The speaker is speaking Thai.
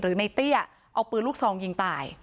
หรือนายเตี้ยเอาปืนลูกทรองยิงตาย